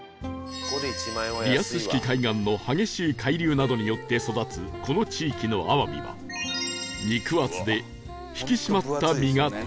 リアス式海岸の激しい海流などによって育つこの地域のあわびは肉厚で引き締まった身が特徴